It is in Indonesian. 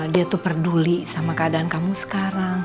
dia tuh peduli sama keadaan kamu sekarang